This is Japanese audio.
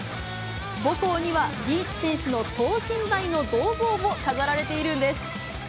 母校にはリーチ選手の等身大の銅像も飾られているんです。